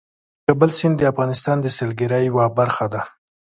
د کابل سیند د افغانستان د سیلګرۍ یوه برخه ده.